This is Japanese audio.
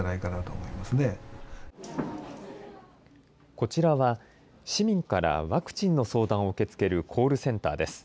こちらは、市民からワクチンの相談を受け付けるコールセンターです。